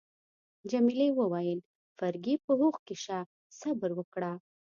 جميلې وويل: فرګي، په هوښ کي شه، صبر وکړه.